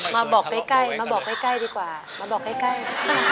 มาบอกใกล้ดีกว่ามาบอกใกล้